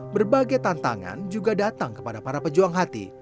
berbagai tantangan juga datang kepada para pejuang hati